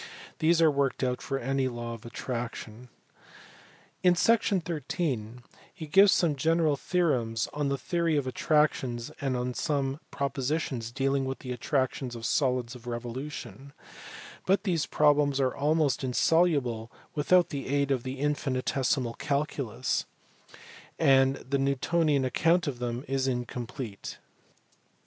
These are worked out for any law of attraction. In section thirteen he gives some general theorems 011 the theory of attractions and some propositions dealing with the attractions of solids of revolution, but these problems are almost insoluble without the aid of the infinitesimal calculus, and the Newtonian account of them is in complete.